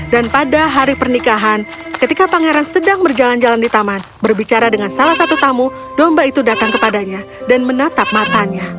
dan pada hari pernikahan ketika pangeran sedang berjalan jalan di taman berbicara dengan salah satu tamu domba itu datang kepadanya dan menatap matanya